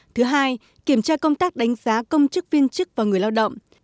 thứ hai kiểm tra công tác đánh giá công chức viên chức và người lao động